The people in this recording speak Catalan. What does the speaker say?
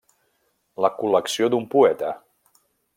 La col·lecció d’un poeta.